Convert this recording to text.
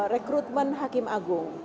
rekrutmen hakim agung